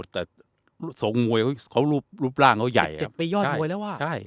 แต่ศกมวยเขาลูกรูปร่างเขาใหญ่ครับเจ็บไปยอดมวยแล้วว่าใช่